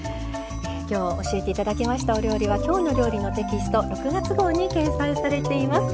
今日教えて頂きましたお料理は「きょうの料理」のテキスト６月号に掲載されています。